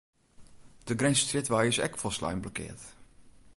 De Grinzerstrjitwei is ek folslein blokkeard.